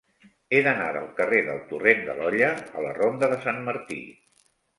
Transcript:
He d'anar del carrer del Torrent de l'Olla a la ronda de Sant Martí.